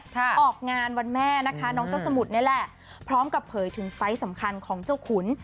ออกงานวันแม่นะคะน้องเจ้าสมุทรนี่แหละพร้อมกับเผยถึงไฟล์สำคัญของเจ้าขุน